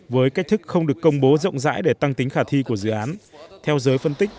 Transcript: với cách thức không được công bố rộng rãi để tăng tính khả thi của dự án theo giới phân tích